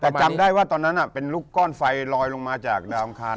แต่จำได้ว่าตอนนั้นเป็นลูกก้อนไฟลอยลงมาจากดาวอังคาร